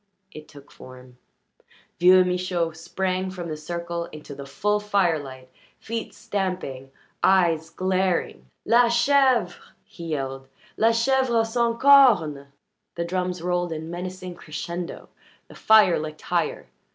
It took form. Vieux Michaud sprang from the circle into the full firelight, feet stamping, eyes glaring. "La ch vre!" he yelled. "La chèvre sans cornes!" The drums rolled in menacing crescendo, the fire licked higher.